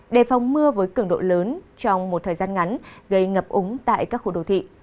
đề phòng mưa với cường độ lớn trong một thời gian ngắn gây ngập úng tại các khu đồ thị